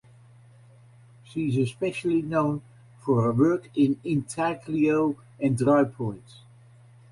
She is especially known for her work in intaglio and drypoint.